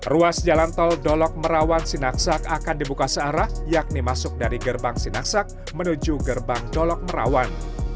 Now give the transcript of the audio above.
ruas jalan tol dolok merawan sinaksak akan dibuka searah yakni masuk dari gerbang sinaksak menuju gerbang dolok merawan